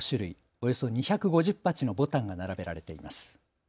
およそ２５０鉢のぼたんが並べられています。